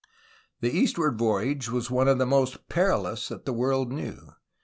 The eastward voyage was one of the most perilous that the v/orld knew.